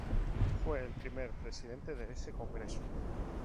Fue el primer presidente de ese Congreso.